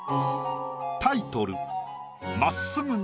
タイトル